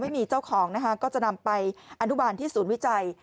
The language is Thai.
ไม่มีเจ้าของนะคะก็จะนำไปอนุบาลที่ศูนย์วิจัย